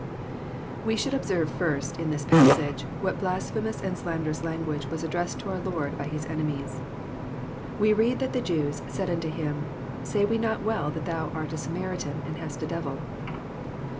We should observe, first, in this passage, wTiat blasphemous and slanderotLS language was addressed to our Lord by His enemies. We read that the Jews " said unto Him, Say we not well that thou art a Samaritan, and hast a devil